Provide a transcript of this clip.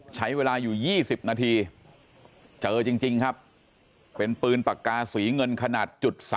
ใช้เวลาอยู่๒๐นาทีเจอจริงครับเป็นปืนปากกาสีเงินขนาด๓